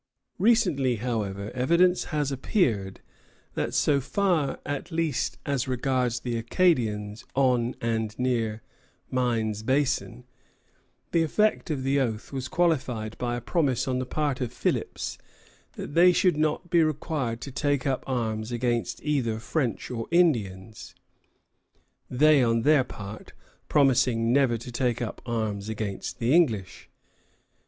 Recently, however, evidence has appeared that, so far at least as regards the Acadians on and near Mines Basin, the effect of the oath was qualified by a promise on the part of Philipps that they should not be required to take up arms against either French or Indians, they on their part promising never to take up arms against the English.